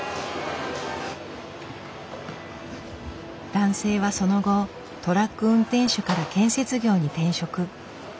男性はその後トラック運転手から建設業に転職。